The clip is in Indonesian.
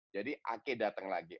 jadi ake datang lagi